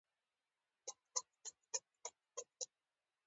ازادي راډیو د سوله په اړه د بریاوو مثالونه ورکړي.